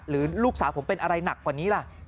หรือลูกสาวผมเป็นอะไรหนักกว่านี้ล่ะ